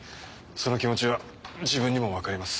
その気持ちは自分にもわかります。